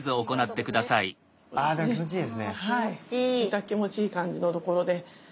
イタ気持ちいい感じのところで。